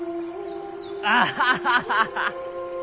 アハハハハ！